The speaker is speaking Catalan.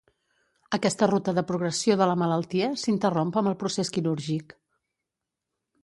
Aquesta ruta de progressió de la malaltia s'interromp amb el procés quirúrgic.